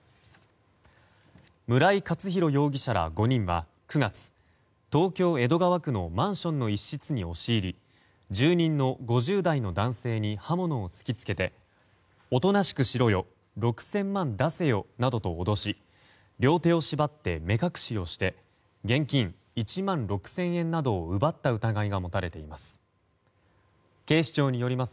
村井勝宏容疑者ら５人は９月東京・江戸川区のマンションの一室に押し入り住人の５０代の男性に刃物を突き付けておとなしくしろよ６０００万出せよなどと脅し両手を縛って目隠しをして現金１万６０００円などを奪った疑いが持たれています。